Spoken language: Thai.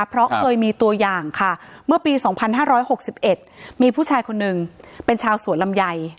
เพราะเคยมีตัวอย่างค่ะเมื่อปี๒๕๖๑มีผู้ชายคนหนึ่งเป็นชาวสวนลำไย